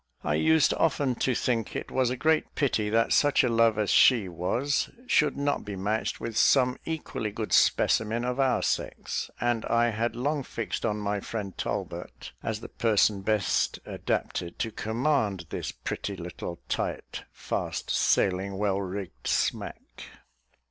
I used often to think it was a great pity that such a love as she was should not be matched with some equally good specimen of our sex; and I had long fixed on my friend Talbot as the person best adapted to command this pretty little, tight, fast sailing, well rigged smack.